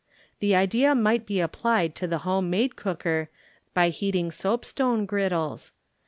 The idea might be applied to the home made cooker by heaiii^ soap stone eriddles.